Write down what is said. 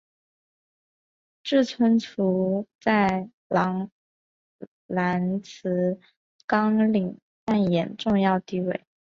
志村簇在郎兰兹纲领扮演重要地位。